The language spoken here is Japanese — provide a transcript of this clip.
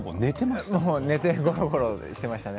ゴロゴロしていましたね。